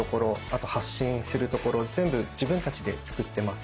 あと発信する所全部自分たちで作ってます。